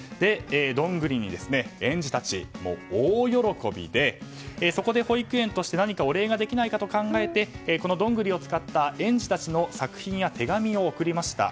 どんぐりに園児たち大喜びでそこで保育園として何かお礼ができないかと考えて、このどんぐりを使った園児たちの作品や手紙を贈りました。